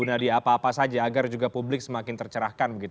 agar publik semakin tercerahkan